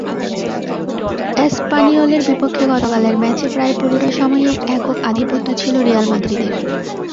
এসপানিওলের বিপক্ষে গতকালের ম্যাচে প্রায় পুরোটা সময়ই একক আধিপত্য ছিল রিয়াল মাদ্রিদের।